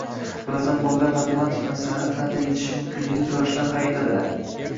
Ba’zan bolalar matematik masalani qanday yechish mumkinligini so'rashdan hayiqadilar.